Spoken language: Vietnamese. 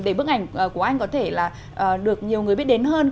để bức ảnh của anh có thể là được nhiều người biết đến hơn